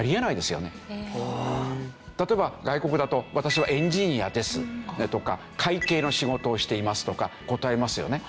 例えば外国だと「私はエンジニアです」とか「会計の仕事をしています」とか答えますよね。